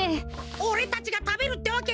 おれたちがたべるってわけか？